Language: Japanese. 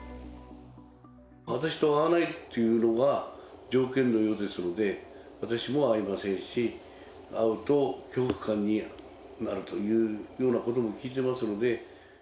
私と会わないというのが条件のようですので、私も会いませんし、会うと恐怖感になるというようなことも聞いてますので。